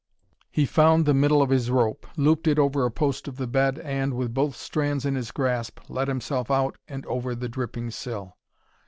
He found the middle of his rope, looped it over a post of the bed, and, with both strands in his grasp, let himself out and over the dripping sill.